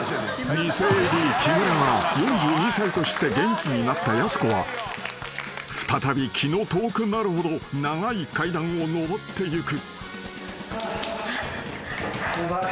［偽ＡＤ木村が４２歳と知って元気になったやす子は再び気の遠くなるほど長い階段を上ってゆく］